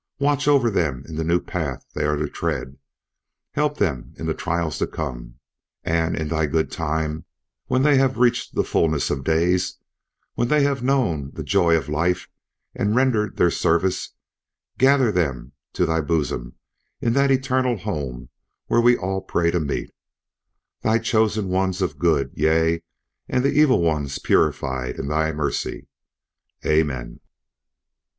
Watch over them in the new path they are to tread, help them in the trials to come; and in Thy good time, when they have reached the fulness of days, when they have known the joy of life and rendered their service, gather them to Thy bosom in that eternal home where we all pray to meet Thy chosen ones of good; yea, and the evil ones purified in Thy mercy. Amen."